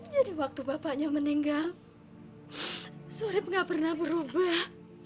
jadi waktu bapaknya meninggal surip gak pernah berubah